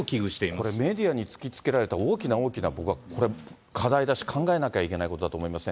これ、メディアに突きつけられた、大きな大きなこれは課題だし、考えなきゃいけないことだと思いますね。